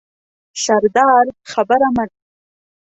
سردار خبره منلې وه.